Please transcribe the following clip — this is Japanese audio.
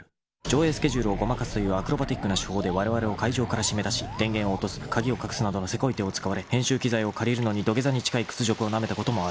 ［上映スケジュールをごまかすというアクロバティックな手法でわれわれを会場から締め出し電源を落とす鍵を隠すなどのせこい手を使われ編集機材を借りるのに土下座に近い屈辱をなめたこともある］